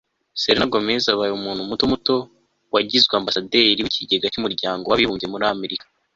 Selena Gomez abaye umuntu muto muto wagizwe Ambasaderi wikigega cyumuryango wabibumbye muri Amerika